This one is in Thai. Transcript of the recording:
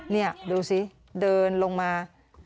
นี่ดูสิเดินลงมา